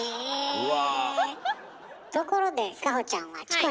うわ。